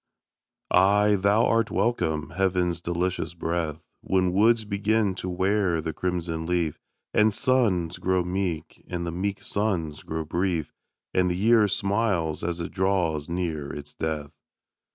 Ay, thou art welcome, heaven's delicious breath, When woods begin to wear the crimson leaf, And suns grow meek, and the meek suns grow brief, And the year smiles as it draws near its death.